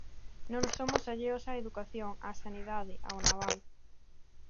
Non somos alleos á educación, á sanidade, ao naval.